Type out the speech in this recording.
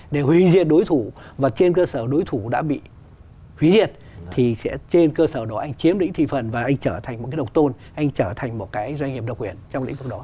để hủy diệt đối thủ và trên cơ sở đối thủ đã bị hủy diệt thì trên cơ sở đó anh chiếm lĩnh thị phần và anh trở thành một cái độc tôn anh trở thành một cái doanh nghiệp độc quyền trong lĩnh vực đó